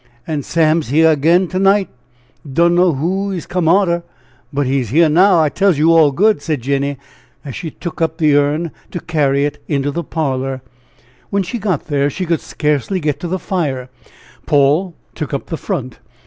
"An' Sam's here ag'in to night! dunno who he's come arter! but he's here, now, I tells you all good!" said Jenny, as she took up the urn to carry it into the parlor. When she got there she could scarcely get to the fire; Paul took up the front.